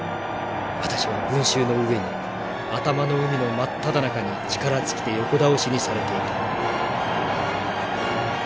私は群衆の上に頭の海の真っただ中に力尽きて横倒しにされていた」。